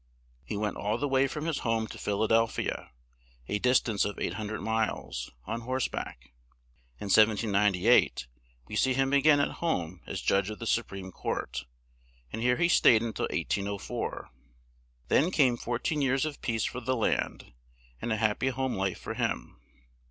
He went all the way from his home to Phil a del phi a, a dis tance of 800 miles, on horse back. In 1798 we see him a gain at home as Judge of the Su preme Court, and here he stayed un til 1804. Then came four teen years of peace for the land, and a hap py home life for him.